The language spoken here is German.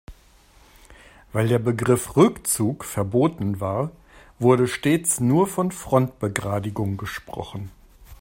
Weil der Begriff Rückzug verboten war, wurde stets nur von Frontbegradigung gesprochen.